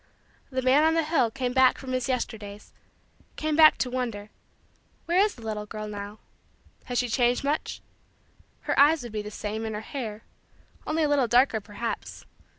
The man on the hill came back from his Yesterdays came back to wonder: "where is the little girl now? Has she changed much? Her eyes would be the same and her hair only a little darker perhaps.